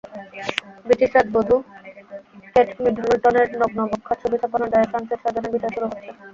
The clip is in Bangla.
ব্রিটিশ রাজবধূ কেট মিডলটনের নগ্ন-বক্ষা ছবি ছাপানোর দায়ে ফ্রান্সে ছয়জনের বিচার শুরু হচ্ছে।